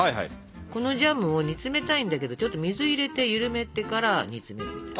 このジャムを煮詰めたいんだけどちょっと水入れて緩めてから煮詰めるみたいな。